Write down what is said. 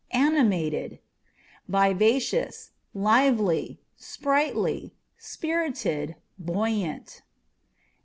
Animated â€" vivacious, lively, sprightly, spirited, buoyant.